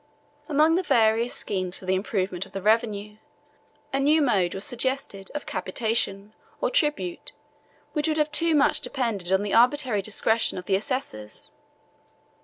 Among the various schemes for the improvement of the revenue, a new mode was suggested of capitation, or tribute, which would have too much depended on the arbitrary discretion of the assessors.